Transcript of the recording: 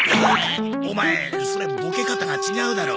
オマエそれボケ方が違うだろう。